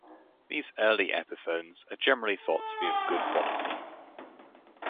These early Epiphones are generally thought to be of good quality.